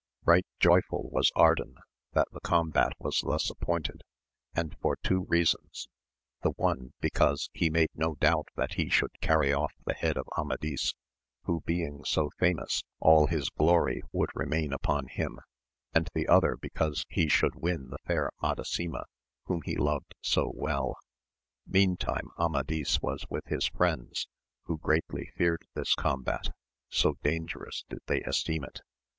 Eight joyful was Ardan that the combat was thus appointed, and for two reasons : the one be cause he made no doubt that he should cany off the head of Amadis, who being so famous, all his glory would remain upon him, and the other because he should win the fair Madasima whom he loved so well. Meantime Amadis was with his friends, who greatly feared this combat, so dangerous did they esteem it.